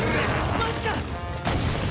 マジか！